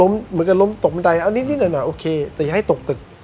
เหมือนกับล้มตกบันไดเอานิดหน่อยโอเคแต่อย่าให้ตกตึก